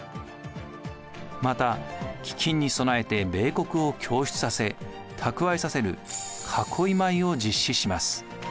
また飢饉に備えて米穀を供出させ蓄えさせる囲米を実施します。